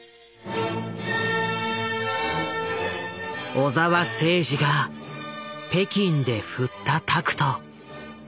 小澤征爾が北京で振ったタクト。